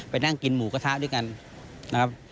นั่งกินหมูกระทะด้วยกันนะครับ